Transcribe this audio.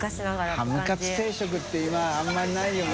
ハムかつ定食ってあんまりないよね。